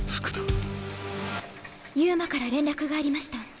「遊馬から連絡がありました。